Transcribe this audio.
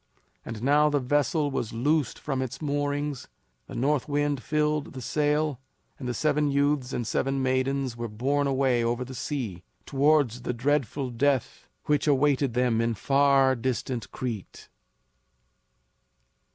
And now the vessel was loosed from its moorings, the north wind filled the sail, and the seven youths and seven maidens were borne away over the sea, towards the dreadful death which awaited them in far distant Crete.